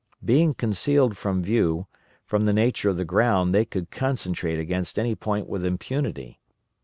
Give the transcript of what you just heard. Being concealed from view, from the nature of the ground they could concentrate against any point with impunity.